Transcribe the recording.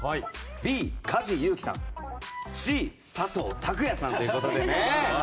Ｂ、梶裕貴さんＣ、佐藤拓也さんということで。